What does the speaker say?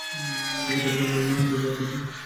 এটা গ্রামের জন্য, না জাতির জন্য।